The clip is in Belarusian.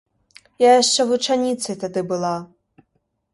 Я яшчэ вучаніцай тады была.